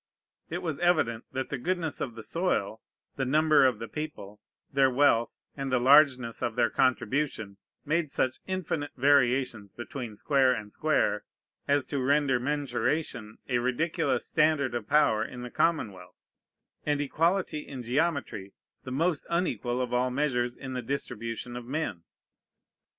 It was evident that the goodness of the soil, the number of the people, their wealth, and the largeness of their contribution, made such infinite variations between square and square as to render mensuration a ridiculous standard of power in the commonwealth, and equality in geometry the most unequal of all measures in the distribution of men.